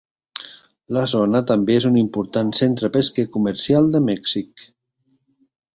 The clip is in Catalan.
La zona també és un important centre pesquer comercial de Mèxic.